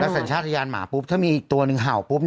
แล้วสัญชาติทยานหมาถ้ามีอีกตัวหนึ่งเห่า